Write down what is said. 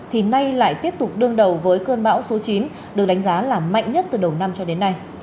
thì nay lại tiếp tục đương đầu với cơn bão số chín được đánh giá là mạnh nhất từ đầu năm cho đến nay